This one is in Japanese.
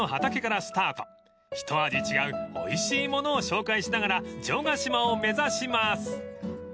［一味違うおいしいものを紹介しながら城ヶ島を目指します］